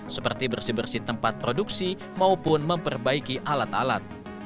seperti bersih bersih tempat produksi maupun memperbaiki alat alat